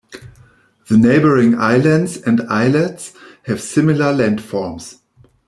The neighboring islands and islets have similar landforms.